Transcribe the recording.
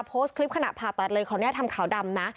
โพสต์คลิปขณะผ่าตัดเลยขออนุญาตทำขาวดำนะ